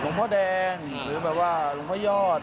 หลงพ่อแดงหรือหลงพ่อยอด